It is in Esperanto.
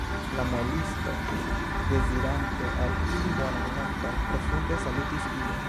La muelisto, dezirante al ili bonan nokton, profunde salutis ilin.